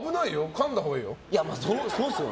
かんだほうがいいよ。